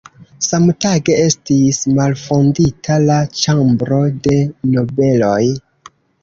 Samtage estis malfondita la Ĉambro de Nobeloj.